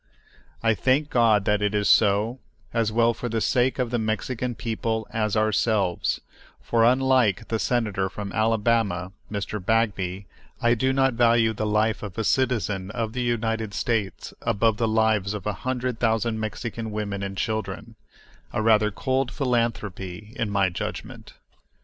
I thank God that it is so, as well for the sake of the Mexican people as ourselves; for, unlike the senator from Alabama [Mr. Bagby], I do not value the life of a citizen of the United States above the lives of a hundred thousand Mexican women and children—a rather cold sort of philanthropy, in my judgment.